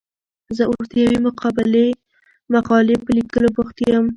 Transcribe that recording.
زه اوس د یوې مقالې په لیکلو بوخت یم.